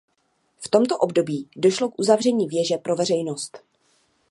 V tomto období došlo k uzavření věže pro veřejnost.